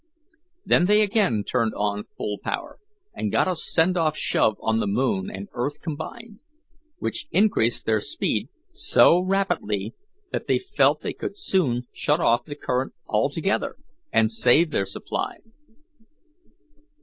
Then they again turned on full power and got a send off shove on the moon and earth combined, which increased their speed so rapidly that they felt they could soon shut off the current altogether and save their supply.